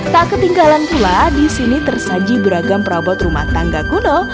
tak ketinggalan pula di sini tersaji beragam perabot rumah tangga kuno